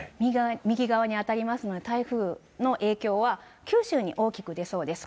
右側に当たりますので、台風の影響は九州に大きく出そうです。